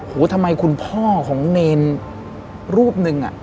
โอ้โหทำไมคุณพ่อของเนนรูปนึง